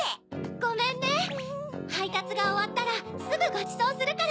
ごめんねはいたつがおわったらすぐごちそうするから。